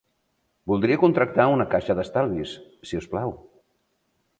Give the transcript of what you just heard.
Voldria contractar un caixa d'estalvis, si us plau.